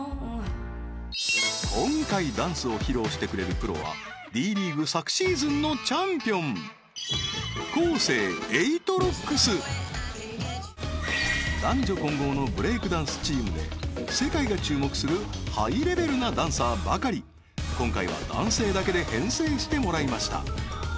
今回ダンスを披露してくれるプロは男女混合のブレイクダンスチームで世界が注目するハイレベルなダンサーばかり今回は男性だけで編成してもらいました